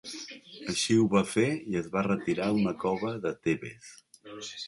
Així ho va fer i es va retirar a una cova de Tebes.